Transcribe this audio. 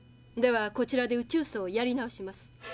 ではこちらで宇宙葬をやり直します。